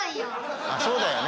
そうだよね。